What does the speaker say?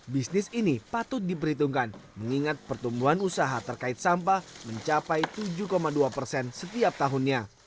bisnis ini patut diperhitungkan mengingat pertumbuhan usaha terkait sampah mencapai tujuh dua persen setiap tahunnya